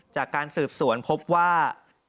จากการสืบสวนพบว่า